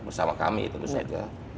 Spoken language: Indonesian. bersama kami tentu saja